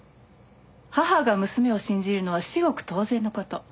母が娘を信じるのは至極当然の事。